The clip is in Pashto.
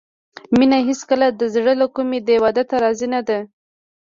مينه هېڅکله د زړه له کومې دې واده ته راضي نه ده